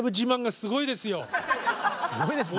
すごいですね。